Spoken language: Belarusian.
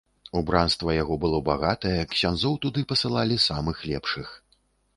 Убранства яго было багатае, ксяндзоў туды пасылалі самых лепшых.